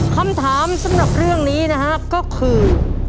คำถามสำหรับเรื่องนี้นะฮะก็คือ